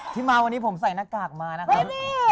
ที่มาวันนี้ผมใส่หน้ากากมานะครับ